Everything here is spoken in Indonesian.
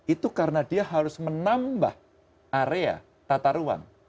itu karena dia harus menambah area tata ruang